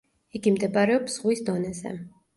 იგი მდებარეობს ზღვის დონეზე.